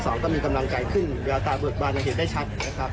ก็ทั้ง๒ก็มีกำลังกายขึ้นแล้วตาเบิกบานมาเห็นได้ชัดนะครับ